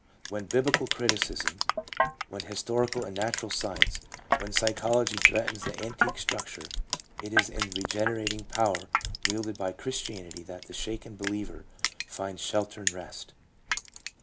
When biblical criti cism, when historical and natural science, when psychology threatens the antique structure, it is in the regenerating power wielded by Christianity that the shaken believer finds shelter and rest.